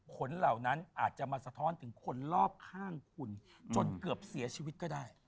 เหล่านั้นอาจจะมาสะท้อนถึงคนรอบข้างคุณจนเกือบเสียชีวิตก็ได้